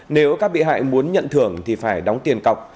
nếu các bị hại muốn nhận thưởng thì phải đóng tiền cọc